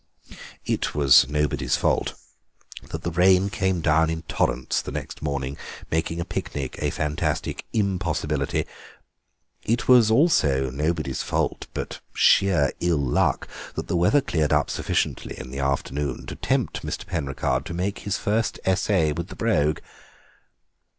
It was nobody's fault that the rain came down in torrents the next morning, making a picnic a fantastic impossibility. It was also nobody's fault, but sheer ill luck, that the weather cleared up sufficiently in the afternoon to tempt Mr. Penricarde to make his first essay with the Brogue.